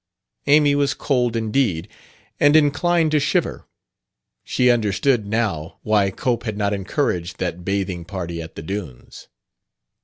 Amy was cold indeed, and inclined to shiver. She understood, now, why Cope had not encouraged that bathing party at the dunes.